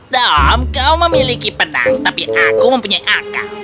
tom kau memiliki pedang tapi aku mempunyai akal